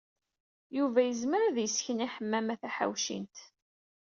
Yuba yezmer ad yesken i Ḥemmama Taḥawcint.